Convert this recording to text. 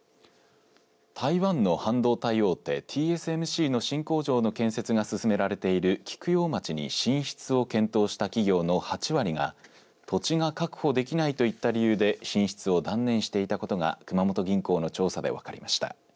台湾の半導体大手ＴＳＭＣの新工場の建設が進められている菊陽町に進出を検討した企業の８割が土地が確保できないといった理由で進出を断念していたことが熊本銀行の調査で分かりました。